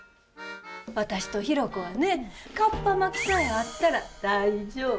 私とヒロコはねかっぱ巻きさえあったら大丈夫。